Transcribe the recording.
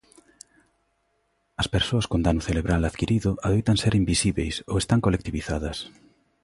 As persoas con dano cerebral adquirido adoitan ser invisíbeis ou están colectivizadas.